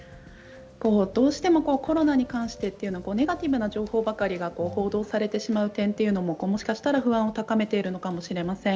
どうしてもコロナに関してネガティブな情報ばかりが報道されてしまう点というのももしかしたら不安を高めているのかもしれません。